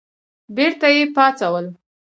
بېرته یې پاڅول.